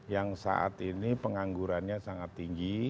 yang saat ini penganggurannya sangat tinggi